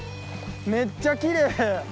めっちゃきれい！